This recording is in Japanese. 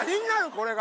これが。